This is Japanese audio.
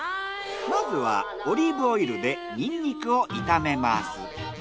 まずはオリーブオイルでニンニクを炒めます。